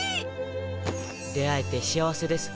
出会えて幸せです。